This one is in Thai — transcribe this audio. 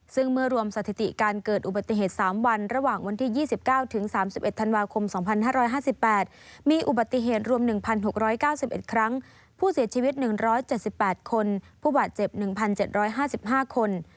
ซึ่งเมื่อรวมสถิติการเกิดอุบัติเหตุ๓วันระหว่างวันที่๒๙๓๑ธันวาคม๒๕๕๘มีอุบัติเหตุรวม๑๖๙๑ครั้งผู้เสียชีวิต๑๗๘คนผู้บาดเจ็บ๑๗๕๕คน